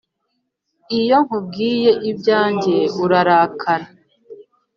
iyo nkubwiye ibyanjye urarakara